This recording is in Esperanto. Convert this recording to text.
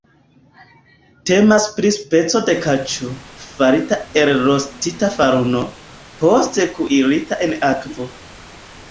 Temas pri speco de kaĉo, farita el rostita faruno, poste kuirita en akvo.